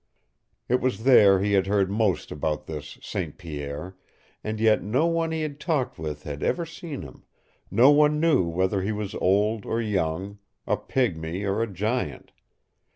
It was there he had heard most about this St. Pierre, and yet no one he had talked with had ever seen him; no one knew whether he was old or young, a pigmy or a giant.